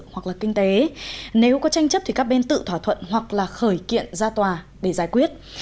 hoặc là kinh tế nếu có tranh chấp thì các bên tự thỏa thuận hoặc là khởi kiện ra tòa để giải quyết